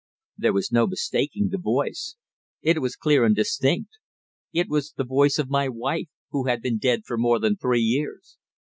There was no mistaking the voice. It was clear and distinct. It was the voice of my wife, who had been dead for more than three years.